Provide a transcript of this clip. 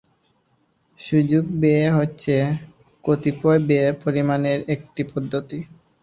সুযোগ ব্যয় হচ্ছে কতিপয় ব্যয় পরিমাপের একটি পদ্ধতি।